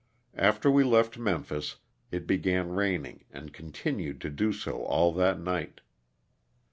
After we left Memphis it began raining and con tinued to do so all that night.